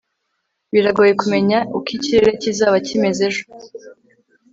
biragoye kumenya uko ikirere kizaba kimeze ejo